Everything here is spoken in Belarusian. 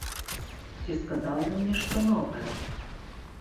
Ці сказаў ён нешта новае?